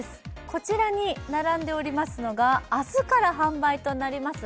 こちらに並んでおりますのが明日から販売となります